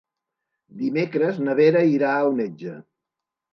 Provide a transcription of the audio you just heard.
Dimecres na Vera irà al metge.